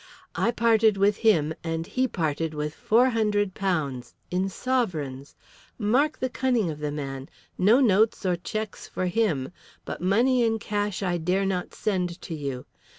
I parted with him and he parted with £400. In sovereigns. Mark the cunning of the man! No notes or cheques for him. But money in cash I dare not send to you.